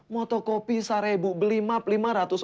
motokopi se rebu beli map lima ratus